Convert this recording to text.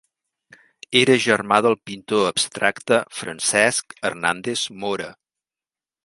Era germà del pintor abstracte Francesc Hernández Mora.